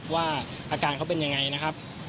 ว่าอาการเขาเป็นยังไงนะครับ